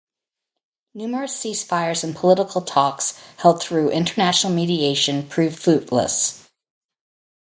Numerous ceasefires and political talks held through international mediation proved fruitless.